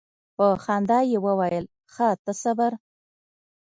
په خندا یې وویل ښه ته صبر.